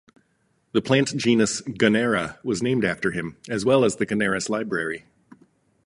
The plant genus "Gunnera" was named after him, as well as the Gunnerus Library.